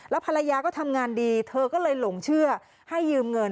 ภรรยาก็ทำงานดีเธอก็เลยหลงเชื่อให้ยืมเงิน